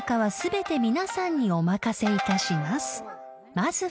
まずは？